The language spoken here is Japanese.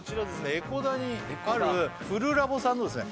江古田にあるふるらぼさんのですね